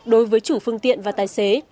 đối với chủ phương tiện và tài xế